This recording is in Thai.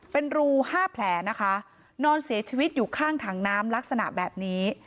เป็นรูห้าแผลนะคะนอนเสียชีวิตอยู่ข้างถังน้ำลักษณะแบบนี้